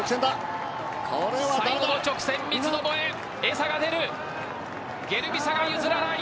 最後の直線で三つどもえエサが出るゲルミサが譲らない。